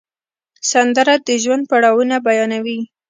سندره د ژوند پړاوونه بیانوي